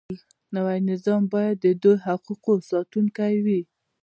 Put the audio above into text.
نوی نظام باید د دې حقوقو ساتونکی وي.